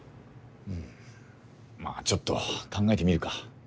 うんまぁちょっと考えてみるか。